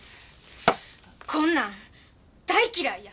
こんなん大嫌いや。